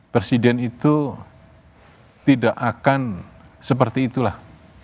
presiden itu tidak akan seperti itulah